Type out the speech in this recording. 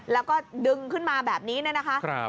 แล้วก็ดึงขึ้นมาแบบนี้เนี่ยนะคะ